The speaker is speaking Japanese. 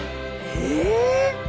え！